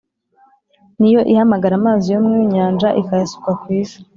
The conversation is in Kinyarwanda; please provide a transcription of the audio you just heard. ni yo ihamagara amazi yo mu nyanja ikayasuka ku isi